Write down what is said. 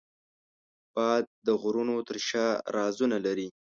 باد د غرونو تر شا رازونه لري